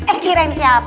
eh tiran siapa